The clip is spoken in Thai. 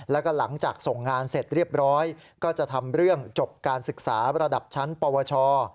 แล้วก็หลังจากส่งงานเสร็จเรียบร้อยก็จะทำเรื่องจบการศึกษาระดับชั้นปวช